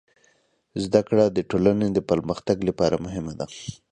زدهکړه د ټولنې د پرمختګ لپاره مهمه برخه ده.